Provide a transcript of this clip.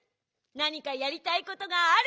なにかやりたいことがあるひと！